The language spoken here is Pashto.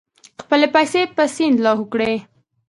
خپلې پیسې په سیند لاهو کړې.